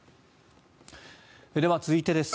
では、続いてです。